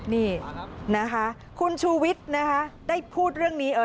นี่นะคะคุณชูวิทย์นะคะได้พูดเรื่องนี้